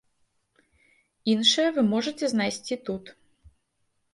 Іншыя вы можаце знайсці тут.